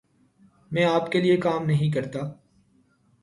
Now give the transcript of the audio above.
میں آپ کے لئے کام نہیں کرتا۔